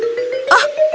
aku sudah menggigit